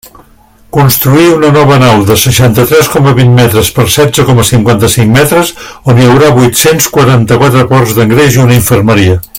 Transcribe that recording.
Construir una nova nau de seixanta-tres coma vint metres per setze coma cinquanta-cinc metres on hi haurà vuit-cents quaranta-quatre porcs d'engreix i una infermeria.